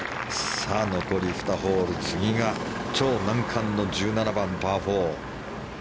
残り２ホール次が超難関の１７番、パー４。